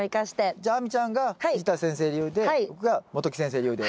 じゃあ亜美ちゃんが藤田先生流で僕が元木先生流で。